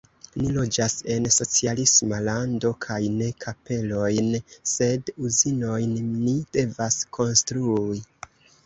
Ni loĝas en socialisma lando kaj ne kapelojn, sed uzinojn ni devas konstrui!